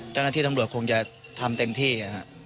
เจ้าหน้าที่ตำรวจคงจะทำเต็มที่